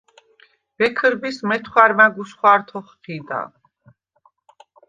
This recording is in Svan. ბექჷრბის მეთხვა̈რ მა̈გ უშხვა̈რთ’ოხჴიდა.